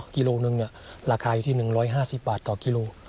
กิโลนึงราคาอยู่ที่๑๕๐บาทต่อกิโล